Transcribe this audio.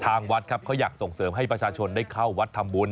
ทางวัดครับเขาอยากส่งเสริมให้ประชาชนได้เข้าวัดทำบุญ